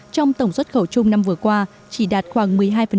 trong tổng xuất khẩu chung năm vừa qua chỉ đạt khoảng một mươi hai